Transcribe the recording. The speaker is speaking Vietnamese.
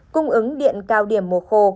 cung ứng điện cao điểm mùa khô